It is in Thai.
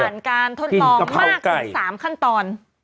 การทดลองมากถึง๓ขั้นตอน